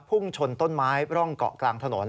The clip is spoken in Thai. พุ่งชนต้นไม้ร่องเกาะกลางถนน